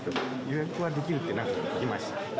予約はできるって何か聞きました